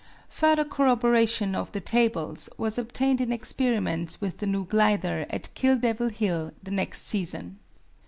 Further corroboration of the tables was obtained in experiments with the new glider at Kill Devil Hill the next season.